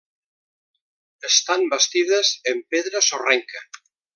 Estan bastides en pedra sorrenca.